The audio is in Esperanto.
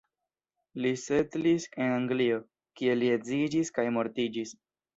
Li setlis en Anglio, kie li edziĝis kaj mortiĝis.